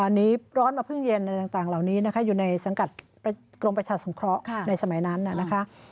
อันนี้ร้อนมาพึ่งเย็นอะไรต่างเหล่านี้นะคะอยู่ในสังกัดกรมประชาสงเคราะห์ในสมัยนั้นนะคะ